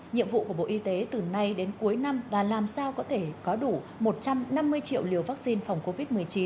nhiệm vụ của bộ y tế từ nay đến cuối năm là làm sao có thể có đủ một trăm năm mươi triệu liều vaccine phòng covid một mươi chín